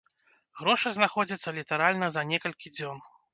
Грошы знаходзяцца літаральна за некалькі дзён.